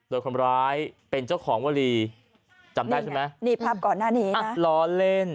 โดยคนร้ายเป็นเจ้าของวลีจำได้ใช่ไหมนี่ภาพก่อนหน้านี้ล้อเล่น